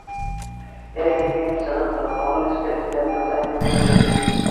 Ә әлегә һин сығып тор, ҡалған нескәлектәрен атайың менән һөйләшербеҙ.